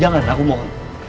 jangan aku mohon